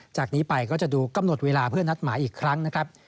จากนี้ไปก็จะดูกำหนดเวลาเพื่อนัดหมายอีกครั้งนะครับ